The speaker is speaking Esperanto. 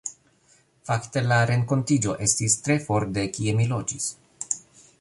Fakte la renkontiĝo estis tre for de kie mi loĝis.